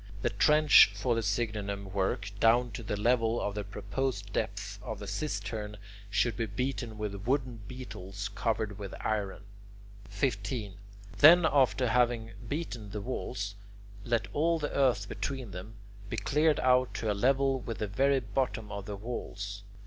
The trench for the signinum work, down to the level of the proposed depth of the cistern, should be beaten with wooden beetles covered with iron. 15. Then after having beaten the walls, let all the earth between them be cleared out to a level with the very bottom of the walls.